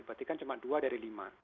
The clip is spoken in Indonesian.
berarti kan cuma dua dari lima